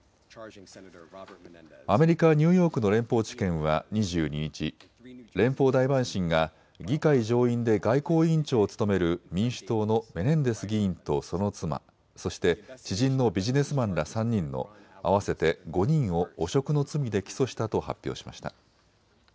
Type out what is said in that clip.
アメリカ・ニューヨークの連邦地検は２２日、連邦大陪審が議会上院で外交委員長を務める民主党のメネンデス議員とその妻、そして知人のビジネスマンら３人の合わせて５人を汚職の罪で起訴したと発表しました。